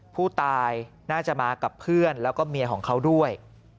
ผู้ตายน่าจะมากับเพื่อนแล้วก็เมียของเขาด้วย